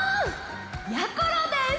やころです！